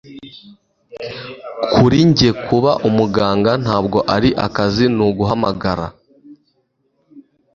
Kuri njye, kuba umuganga ntabwo ari akazi, ni guhamagara